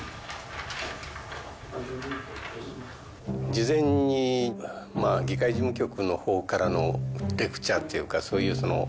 事前にまあ議会事務局のほうからのレクチャーというかそういうその。